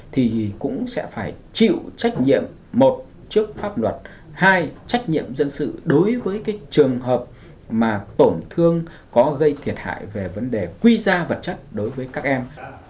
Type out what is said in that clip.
thì cũng sẽ phải chịu trách nhiệm một trước pháp luật hai trách nhiệm dân sự đối với cái trường hợp mà tổn thương có gây thiệt hại về vấn đề quy ra vật chất đối với các em